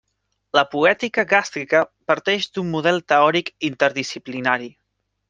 La poètica gàstrica parteix d'un model teòric interdisciplinari.